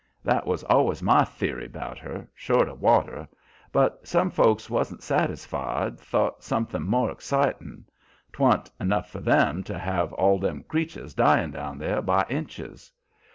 That was always my the'ry 'bout her short o' water; but some folks wan't satisfied 'thout somethin' more ex citin'. 'Twan't enough for 'em to have all them creeturs dyin' down there by inches.